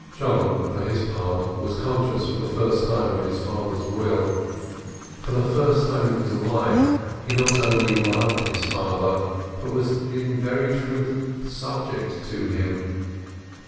Sholem, for his part, was conscious for the first time of his father's will: for the first time in his life, he not only loved his father, but was in very truth subject to him.